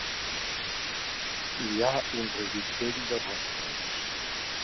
Hi ha un reguitzell de rostres.